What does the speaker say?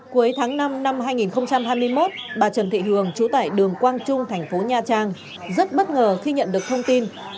cuối tháng năm năm hai nghìn hai mươi một bà trần thị hường chú tải đường quang trung thành phố nha trang rất bất ngờ khi nhận được thông tin